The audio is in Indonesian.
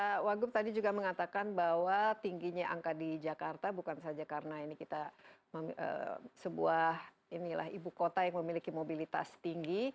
pak wagub tadi juga mengatakan bahwa tingginya angka di jakarta bukan saja karena ini kita sebuah ibu kota yang memiliki mobilitas tinggi